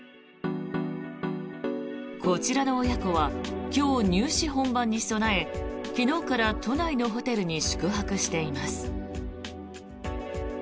こちらの親子は今日、入試本番に備え昨日から都内のホテルに宿泊しています。